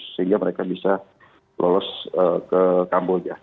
sehingga mereka bisa lolos ke kamboja